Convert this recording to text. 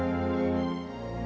aku tak tahu kenapa